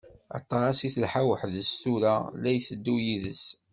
Aṭas i telḥa weḥd-s, tura la iteddu yid-s.